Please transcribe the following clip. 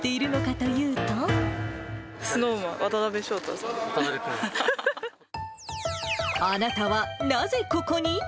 ＳｎｏｗＭａｎ、あなたはなぜここに？